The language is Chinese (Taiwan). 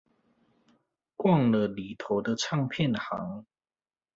逛了裏頭的唱片行